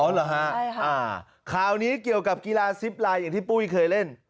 อ๋อเหรอฮะคราวนี้เกี่ยวกับกีฬาซิปลายอย่างที่ปุ๊ยเคยเล่น